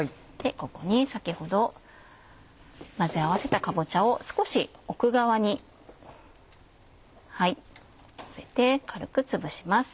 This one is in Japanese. ここに先ほど混ぜ合わせたかぼちゃを少し奥側にのせて軽くつぶします。